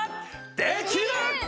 できる！